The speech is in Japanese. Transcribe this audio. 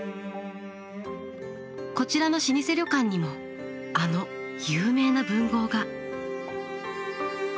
こちらの老舗旅館にもあの有名な文豪が。